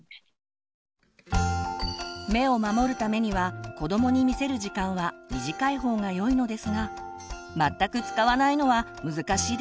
目を守るためには子どもに見せる時間は短い方がよいのですが全く使わないのは難しいですよね。